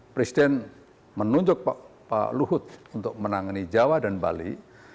presiden menunjuk pak luhut untuk menangani jawa dan bali